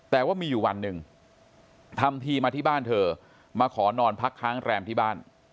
แต่ว่ามีอยู่วันหนึ่งทำทีมาที่บ้านเธอมาขอนอนพักค้างแรมที่บ้าน